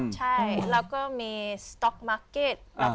ใช่แล้วก็มีสต๊อกมาร์เก็ต